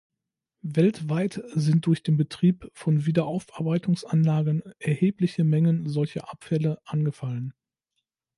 Weltweit sind durch den Betrieb von Wiederaufarbeitungsanlagen erhebliche Mengen solcher Abfälle angefallen.